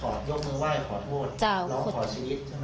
ขอชีวิต